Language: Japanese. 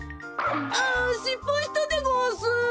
ああっしっぱいしたでごわす。